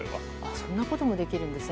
そんなこともできるんですね。